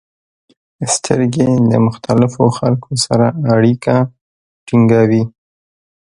• سترګې د مختلفو خلکو سره اړیکه ټینګوي.